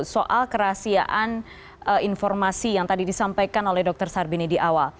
soal kerahasiaan informasi yang tadi disampaikan oleh dr sarbini di awal